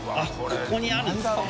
ここにあるんですね。